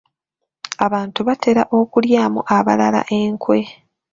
Abantu batera okulyamu abalala enkwe.